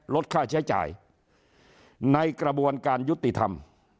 ลดค่าใช้จ่ายในกระบวนการยุติธรรม